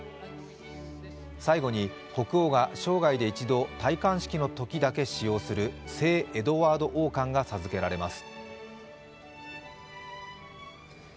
最後に国王が生涯で一度、戴冠式のときだけ使用する聖エドワード王冠が授けられます。